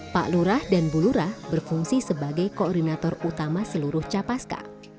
pak lurah dan bu lurah berfungsi sebagai koordinator utama seluruh capaska